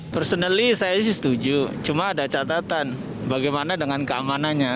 personally saya sih setuju cuma ada catatan bagaimana dengan keamanannya